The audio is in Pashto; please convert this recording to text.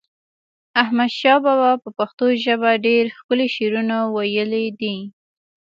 احمد شاه بابا په پښتو ژپه ډیر ښکلی شعرونه وایلی دی